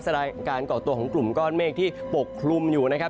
การก่อตัวของกลุ่มก้อนเมฆที่ปกคลุมอยู่นะครับ